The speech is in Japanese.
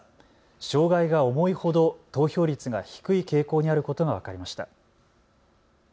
障害が重いほど投票率が低い傾向にあることが分かりました。